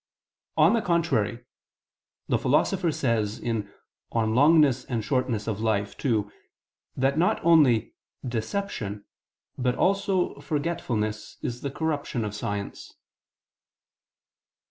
On the contrary, The Philosopher says (De Long. et Brev. Vitae ii) that not only "deception," but also "forgetfulness, is the corruption of science."